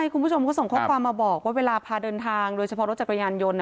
คุณผู้ชมก็ส่งข้อความมาบอกว่าเวลาพาเดินทางโดยเฉพาะรถจักรยานยนต์